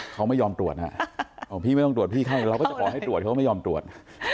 เขาไม่ยอมตรวจฮะพี่ไม่ต้องตรวจพี่ไข้เราก็จะขอให้ตรวจเขาก็ไม่ยอมตรวจ